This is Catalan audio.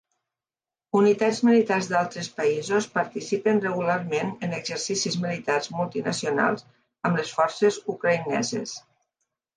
Unitats militars d'altres països participen regularment en exercicis militars multinacionals amb les forces ucraïneses.